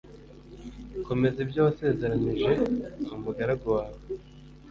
komeza ibyo wasezeranije umugaragu wawe